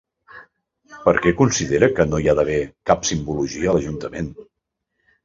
Per què considera que no hi ha d'haver cap simbologia a l'ajuntament?